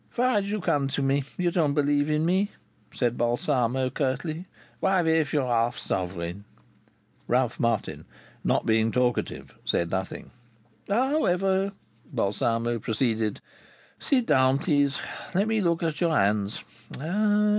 "Why do you come to me? You don't believe in me," said Balsamo, curtly. "Why waste your half sovereign?" Ralph Martin, not being talkative, said nothing. "However!" Balsamo proceeded. "Sit down, please. Let me look at your hands.